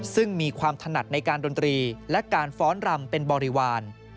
ซึ่งมีความถนัดในการดนตรีและการฟ้อนรำเป็นบริวาร